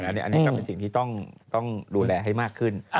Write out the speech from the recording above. อันนี้ก็เป็นสิ่งที่ต้องดูแลให้มากขึ้น